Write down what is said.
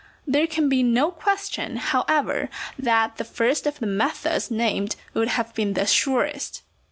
There can be no question, however, that the first of the methods named would have been the surest.